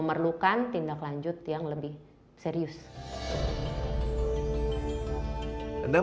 jangan lakukan tindak lanjut yang lebih serius